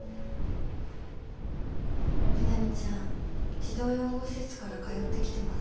みなみちゃん児童養護施設から通ってきてます。